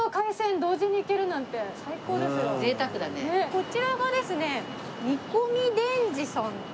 こちらがですね煮込み伝次さん。